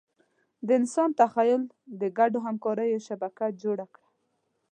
د انسان تخیل د ګډو همکاریو شبکه جوړه کړه.